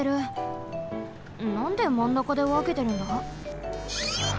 なんでまんなかでわけてるんだ？